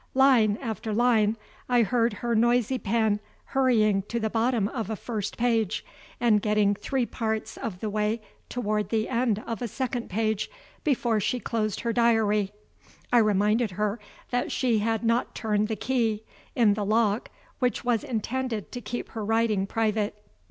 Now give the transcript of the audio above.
Line after line, I heard her noisy pen hurrying to the bottom of a first page, and getting three parts of the way toward the end of a second page, before she closed her diary. I reminded her that she had not turned the key, in the lock which was intended to keep her writing private.